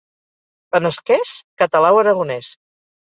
Benasquès, català o aragonès.